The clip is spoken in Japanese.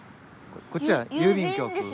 こっちは郵便局。